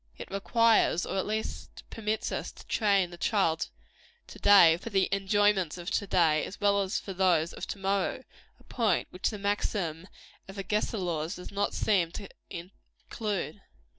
It requires, or at least permits us, to train up the child to day for the enjoyments of to day, as well as for those of to morrow a point which the maxim of Agesilaus does not seem to include.